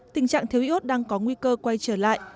tình trạng thiếu iốt đang có nguy cơ quay trở lại